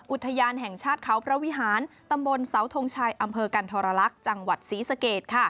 อุทยานแห่งชาติเขาพระวิหารตำบลเสาทงชัยอำเภอกันทรลักษณ์จังหวัดศรีสเกต